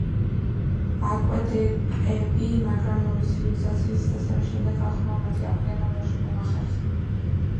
აკვედუკები, მაგრამ რომის ცივილიზაციის დაცემის შემდეგ ხალხმა მათი აღდგენა ვერ მოახერხა.